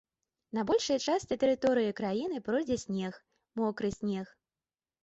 На большай частцы тэрыторыі краіны пройдзе снег, мокры снег.